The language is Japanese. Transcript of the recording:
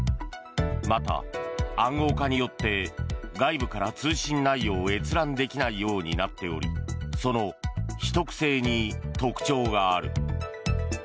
また暗号化によって外部から通信内容を閲覧できないようになっておりその秘匿性に特徴がある。